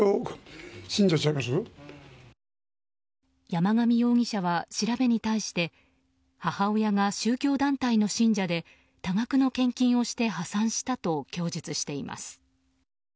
山上容疑者は調べに対して母親が宗教団体の信者で多額の献金で破産したと供述しています。